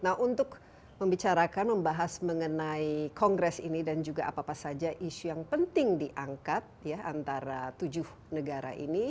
nah untuk membicarakan membahas mengenai kongres ini dan juga apa apa saja isu yang penting diangkat ya antara tujuh negara ini